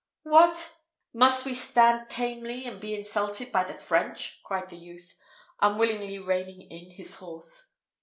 "What! must we stand tamely and be insulted by the French?" cried the youth, unwillingly reining in his horse.